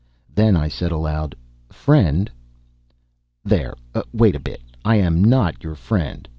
Then I said aloud: "Friend " "There; wait a bit. I am not your friend.